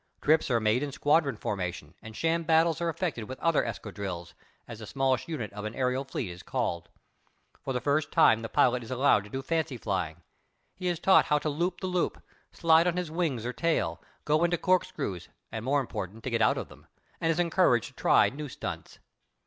Trips are made in squadron formation and sham battles are effected with other escadrilles, as the smallest unit of an aërial fleet is called. For the first time the pilot is allowed to do fancy flying. He is taught how to loop the loop, slide on his wings or tail, go into corkscrews and, more important, to get out of them, and is encouraged to try new stunts.